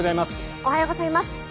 おはようございます。